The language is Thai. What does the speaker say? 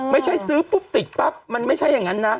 ไม่ใช่ซื้อปุ๊บติดปั๊บมันไม่ใช่อย่างนั้นนะ